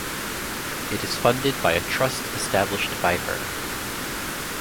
It is funded by a trust established by her.